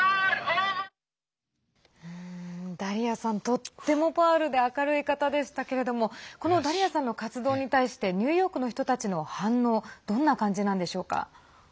とってもパワフルで明るい方でしたけれどもこのダリアさんの活動に対してニューヨークの人たちの反応どんな感じなんでしょうか。